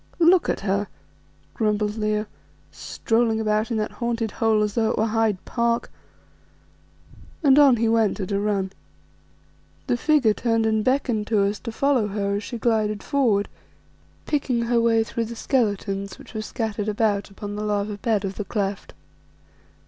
"Look at her," grumbled Leo, "strolling about in that haunted hole as though it were Hyde Park;" and on he went at a run. The figure turned and beckoned to us to follow her as she glided forward, picking her way through the skeletons which were scattered about upon the lava bed of the cleft.